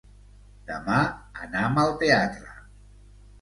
Demà anam al teatre.